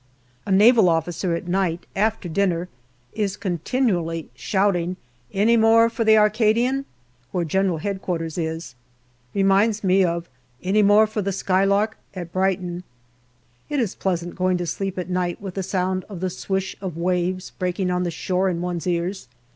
A Naval officer at night, after dinner, is continually shouting " Any more for the Arcadian ?" where G.H.O. is. Reminds me of " Any more for the Skylark ?" at Brighton. It is pleasant going to sleep at night with the sound of the swish of waves breaking on the shore in one's ears.